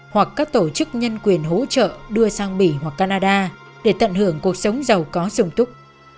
hoặc các tổ chức nhân quyền hỗ trợ đưa sang bỉ hoặc canada để tận hưởng cuộc sống giàu có dùng túc